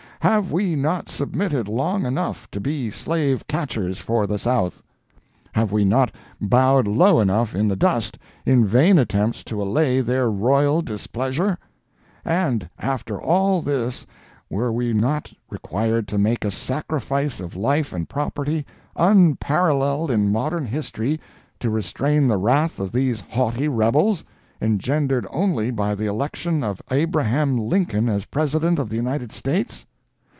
Have we not submitted long enough to be slave catchers for the South? Have we not bowed low enough in the dust in vain attempts to allay their royal displeasure? And after all this were we not required to make a sacrifice of life and property unparalleled in modern history to restrain the wrath of these haughty rebels, engendered only by the election of Abraham Lincoln as President of the United States?